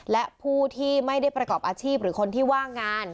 และผู้ที่ไม่ได้ประกอบอาชีพหรือคนที่ว่างงาน